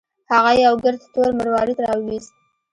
هغه یو ګرد تور مروارید راوویست.